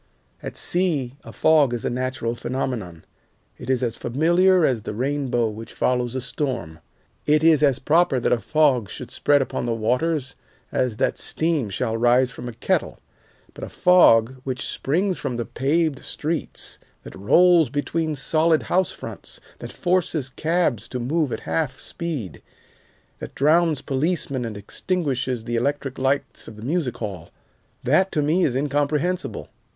At sea a fog is a natural phenomenon. It is as familiar as the rainbow which follows a storm, it is as proper that a fog should spread upon the waters as that steam shall rise from a kettle. But a fog which springs from the paved streets, that rolls between solid house fronts, that forces cabs to move at half speed, that drowns policemen and extinguishes the electric lights of the music hall, that to me is incomprehensible.